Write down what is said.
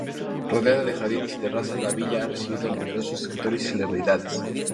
Rodeada de jardines y terrazas, la villa ha recibido a numerosos escritores y celebridades.